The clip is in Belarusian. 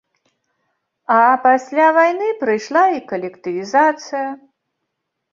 А пасля вайны прыйшла і калектывізацыя.